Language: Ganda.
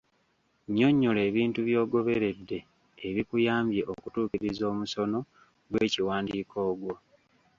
Nnyonnyola ebintu by'ogoberedde ebikuyambye okutuukiriza omusono gw'ekiwandiiko ogwo.